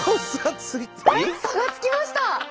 差がつきました！